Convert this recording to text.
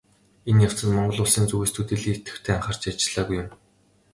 Энэ явцад Монгол Улсын зүгээс төдийлөн идэвхтэй анхаарч ажиллаагүй юм.